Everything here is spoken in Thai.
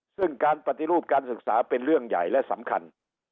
ซึ่งการปฏิรูปการศึกษาเป็นเรื่องใหญ่และสำคัญ